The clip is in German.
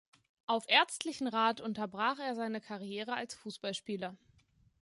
Auf ärztlichen Rat unterbrach er seine Karriere als Fußballspieler.